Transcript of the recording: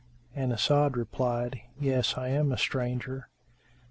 and As'ad replied, "Yes, I am a stranger."